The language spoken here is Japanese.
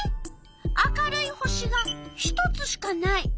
明るい星が１つしかない。